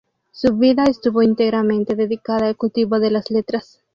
Su vida estuvo íntegramente dedicada al cultivo de las letras.